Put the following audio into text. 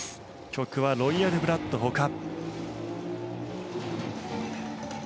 曲は「ロイヤル・ブラッド」ほか。